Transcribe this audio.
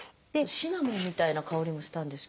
シナモンみたいな香りもしたんですけど。